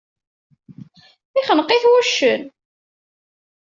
Ixneq-it wuccen.